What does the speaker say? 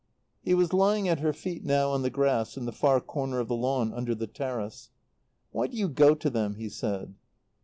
He was lying at her feet now on the grass in the far corner of the lawn under the terrace. "Why do you go to them?" he said.